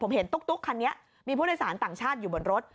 ผมเห็นตุ๊กคันนี้มีผู้โดยสารต่างชาติอยู่บนรถ